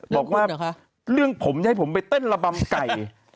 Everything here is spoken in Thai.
บอกว่าเรื่องผมจะให้ผมไปเต้นระบำไก่